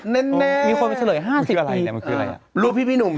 แน่นแน่น่ะมีคนไปเฉลย๕๐ปีมันคืออะไรอ่ะรูปพี่หนุ่ม